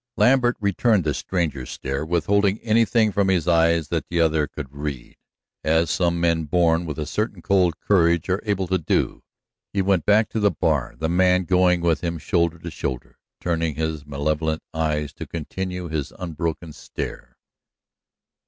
Lambert returned the stranger's stare, withholding anything from his eyes that the other could read, as some men born with a certain cold courage are able to do. He went back to the bar, the man going with him shoulder to shoulder, turning his malevolent eyes to continue his unbroken stare.